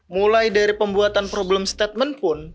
mulai dari pembuatan problem statement pun